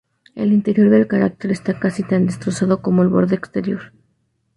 El interior del cráter está casi tan destrozado como el borde exterior.